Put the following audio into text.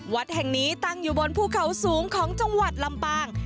วัดแห่งนี้ตั้งอยู่บนภูเขาสูงของจังหวัดลำปาง